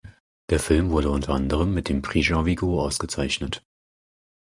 Der Film wurde unter anderem mit dem Prix Jean Vigo ausgezeichnet.